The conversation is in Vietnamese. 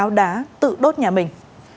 hùng đã tự đốt nhà mình